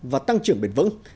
và tăng trưởng bền vững